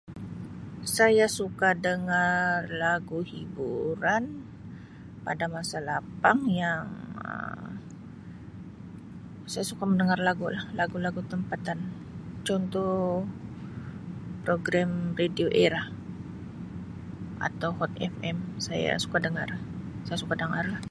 Saya suka dengar lagu hiburan pada masa lapang yang Um saya suka mendengar lagulah, lagu-lagu tempatan contoh program radio Era atau Hot FM, saya suka dengar, saya suka dengarlah.